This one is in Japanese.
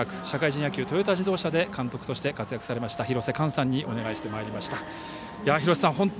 社会人野球トヨタ自動車で監督として活躍されました